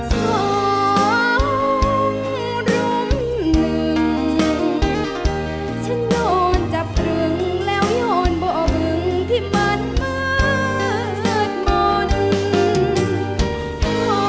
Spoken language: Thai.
สองรุมหนึ่งฉันโดนจับตรึงแล้วโยนบ่อบึงที่มันมืดมนต์